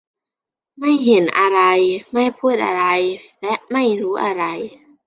ไม่เห็นอะไร ไม่พูดอะไร และไม่รู้อะไร